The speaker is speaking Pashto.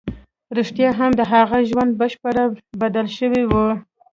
رښتيا هم د هغه ژوند بشپړ بدل شوی و.